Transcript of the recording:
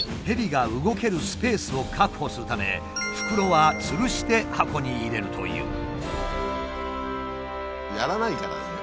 ヘビが動けるスペースを確保するため袋はつるして箱に入れるという。